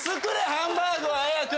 ハンバーグを早く。